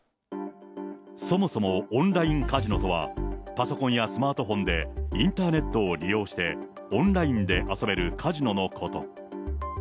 そもそもオンラインカジノとは、パソコンやスマートフォンで、インターネットを利用して、オンラインで遊べるカジノのこと。